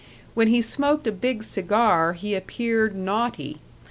When he smoked a big cigar he appeared naughty.